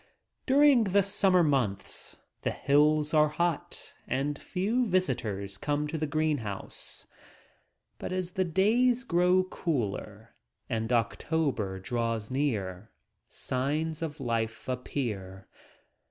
During the summer months the hills are hot and few visitors come to the green house. But as the days grow cooler and October draws near, signs of life appear.